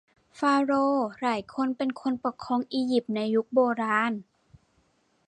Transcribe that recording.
ฟาโรห์หลายคนเป็นคนปกครองอิยิปต์ในยุคโบราณ